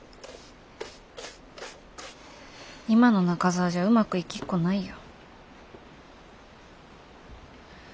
今の中澤じゃうまくいきっこないよ。